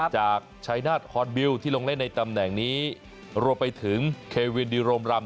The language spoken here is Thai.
จากชายนาฏฮอนบิลที่ลงเล่นในตำแหน่งนี้รวมไปถึงเควินดิโรมรำ